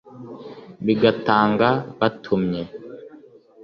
b i gatanga batumye